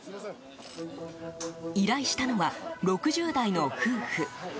依頼したのは、６０代の夫婦。